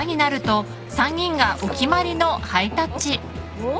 おっ？